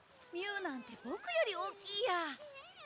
ミューなんてボクより大きいや。